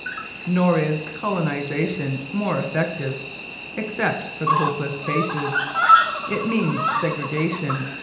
Nor is colonization more effective, except for the hopeless cases. It means segregation.